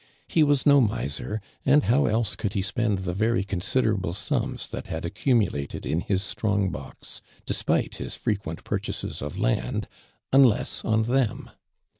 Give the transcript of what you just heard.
lie was no miser, and how else eoidd h(> spend the very considerable sinus that had aeeumidated in liis strong li(..\. despite his freijuent i)ur chases of land, unless on them.